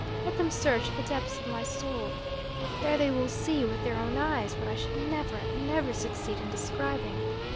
Let them search the depths of my soul. There they will see, with their own eyes, what I should never, never succeed in describing.